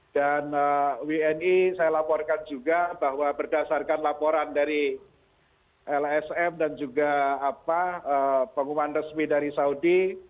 dan wni saya laporkan juga bahwa berdasarkan laporan dari lsm dan juga pengumuman resmi dari saudi